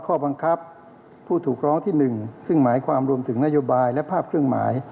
พวกผู้ถูกร้องที่๑ที่หมายความรวมถึงนโยบายและภาพเครื่องหมาย